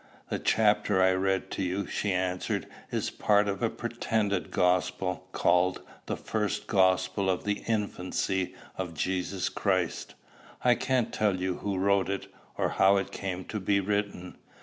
"The chapter I read to you," she answered, "is part of a pretended gospel, called, 'The First Gospel of the Infancy of Jesus Christ.' I can't tell you who wrote it, or how it came to be written.